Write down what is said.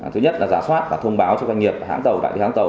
thứ nhất là giả soát và thông báo cho doanh nghiệp hãng tàu đại lý hãng tàu